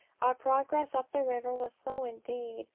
Our progress up the river was slow indeed.